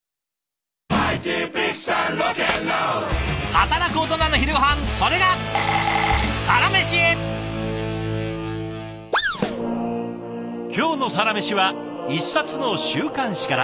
働くオトナの昼ごはんそれが今日の「サラメシ」は一冊の週刊誌から。